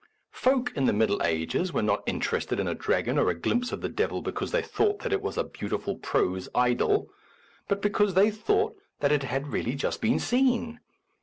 Folk in A Defence of Useful Information the Middle Ages were not interested in a dragon or a glimpse of the devil because they thought that it was a beautiful prose idyll, but because they thought that it had really just been seen.